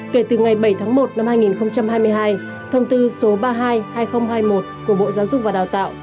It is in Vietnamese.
kể từ ngày bảy tháng một năm hai nghìn hai mươi hai thông tư số ba mươi hai hai nghìn hai mươi một của bộ giáo dục và đào tạo